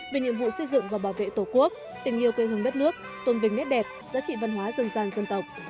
về nhiệm vụ xây dựng và bảo vệ tổ quốc tình yêu quê hương đất nước tôn vinh nét đẹp giá trị văn hóa dân gian dân tộc